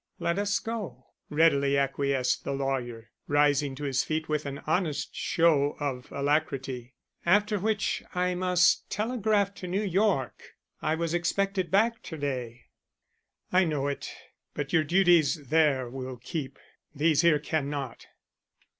"Let us go," readily acquiesced the lawyer, rising to his feet with an honest show of alacrity; "after which I must telegraph to New York. I was expected back to day." "I know it; but your duties there will keep; these here cannot.